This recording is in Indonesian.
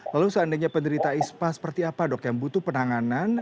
lalu seandainya penderita ispa seperti apa dok yang butuh penanganan